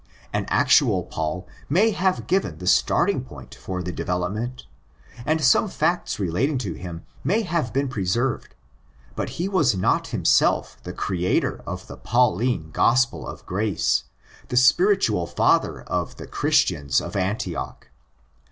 An actual Paul may have given the starting point for the development, and some facts relating to him may have been preserved; but he was not himself the creator of the Pauline '' gospel of grace," the spiritual father of the '' Christians'' of Antioch.